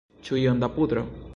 Ĉu iom da pudro?